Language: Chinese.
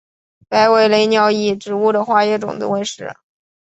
白尾雷鸟以植物的花叶种子为食。